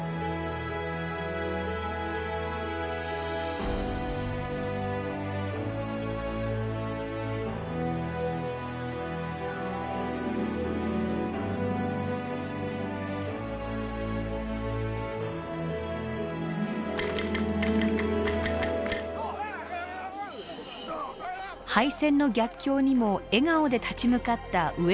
敗戦の逆境にも笑顔で立ち向かった上野周辺の人々。